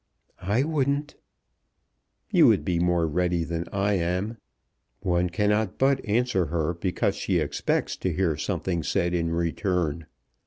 "I wouldn't." "You would be more ready than I am. One cannot but answer her because she expects to hear something said in return.